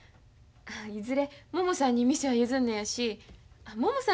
いずれももさんに店を譲るのやしももさん